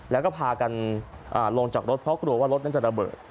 แล้วก็พากันลงจากรถเพราะกลัวว่ารถนั้นจะระเบิด